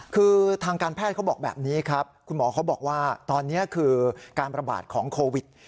คือทางการแพทย์เขาบอกแบบนี้ครับคุณหมอเขาบอกว่าตอนนี้คือการประบาดของโควิด